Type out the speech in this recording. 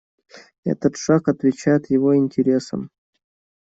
Этот шаг отвечает его интересам.